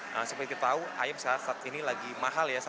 nah seperti kita tahu ayam saat ini lagi mahal ya